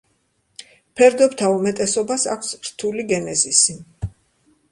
ფერდობთა უმეტესობას აქვს რთული გენეზისი.